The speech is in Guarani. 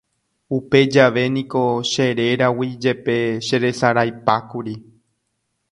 Upe jave niko che réragui jepe cheresaraipákuri.